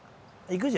行く？